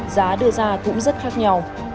giá đưa ra cũng rất khác nhau